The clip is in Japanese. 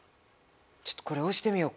ちょっとこれ押してみようか。